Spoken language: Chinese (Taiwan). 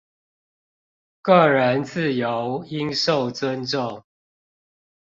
個人自由應受尊重